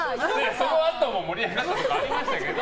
そのあとも盛り上がったりしてましたけど。